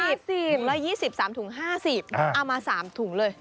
เอามา๓ถุงเลย